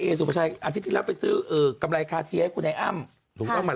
สุภาชัยอาทิตย์ที่แล้วไปซื้อกำไรคาเทียให้คุณไอ้อ้ำถูกต้องไหม